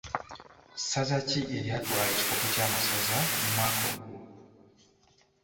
Ssaza ki eryatwala ekikopo kya masaza mu mwaka ogwo?